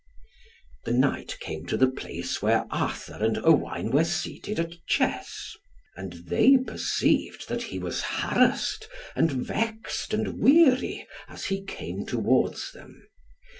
The knight came to the place where Arthur and Owain were seated at chess. And they perceived that he was harassed and vexed and weary as he came towards them.